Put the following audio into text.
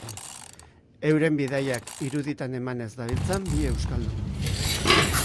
Euren bidaiak iruditan emanez dabiltzan bi euskaldun.